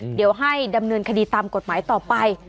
เดี๋ยวให้ดำเนินคดีตามกฎหมายต่อไป